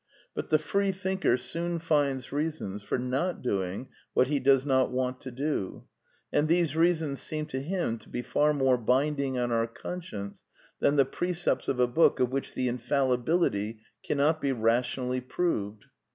But the freethinker soon finds reasons for not doing what he does not want to do; and these reasons seem to him to be far more binding on our conscience than the precepts of a book of which the infallibility can not be rationally proved.